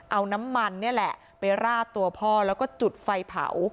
เอาน้ำมันนี่แหละไปราดตัวพ่อแล้วก็จุดไฟเผา